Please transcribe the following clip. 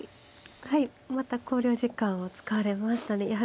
はいまた考慮時間を使われましたね。